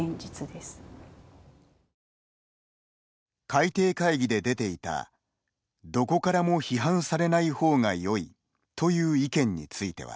改訂会議で出ていた「どこからも批判されない方がよい」という意見については。